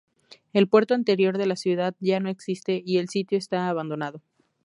El puerto anterior de la ciudad ya no existe y el sitio está abandonado.